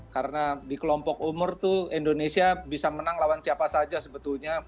karena di kelompok umur tuh indonesia bisa menang lawan siapa saja sebetulnya